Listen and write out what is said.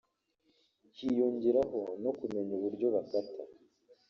Hiyongeraho no kumenya uburyo bakata